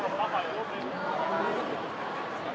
สวัสดีครับ